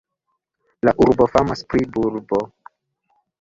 La urbo famas pri bulbo.